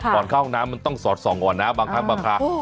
ก่อนเข้าห้องน้ำมันต้องสอดส่องก่อนนะบางครั้งบางครั้ง